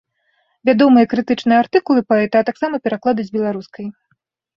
Вядомыя крытычныя артыкулы паэта, а таксама пераклады з беларускай.